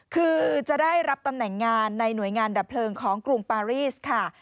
คือจะได้รับตำแหน่งงานในหน่วยงานดับเพลิงของกรุงปารีสค่ะ